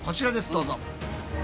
どうぞ。